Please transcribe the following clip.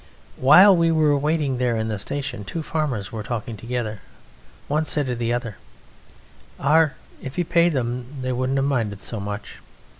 While we were waiting there in the station two farmers were talking together. One said to the other: "Ar, if he'd paid them they wouldn't have minded so much."